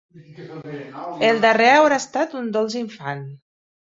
El darrer haurà estat un dolç infant.